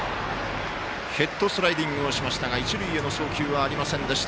ヘッドスライディングをしましたが一塁への送球はありませんでした。